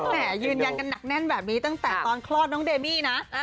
ยืนยันกันหนักแน่นแบบนี้ตั้งแต่ตอนคลอดน้องเดมี่นะ